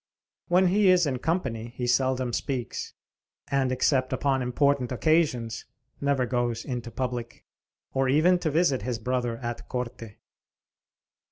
When he is in company he seldom speaks, and except upon important occasions, never goes into public, or even to visit his brother at Corte.